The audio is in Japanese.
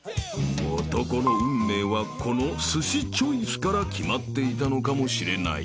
［男の運命はこのすしチョイスから決まっていたのかもしれない］